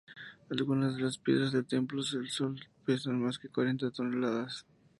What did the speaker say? Algunas de las piedras del templo de Sol pesan más de cuarenta toneladas.